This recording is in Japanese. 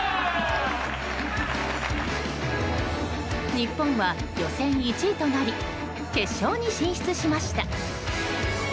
日本は予選１位となり決勝に進出しました。